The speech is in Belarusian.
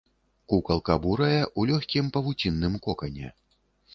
Кукалка бурая, у лёгкім павуцінным кокане.